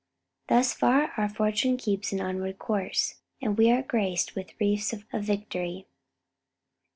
"Thus far our fortune keeps an onward course And we are grac'd with wreaths of victory."